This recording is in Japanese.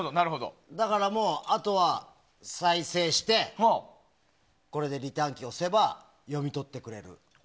だから、あとは再生してリターンキーを押せば読み取ってくれる。